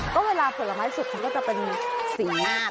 ก็เวลาผลไม้สุกมันก็จะเป็นสีหน้า